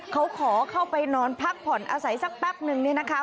เขาขอเข้าไปนอนพักผ่อนอาศัยสักแป๊บนึงเนี่ยนะคะ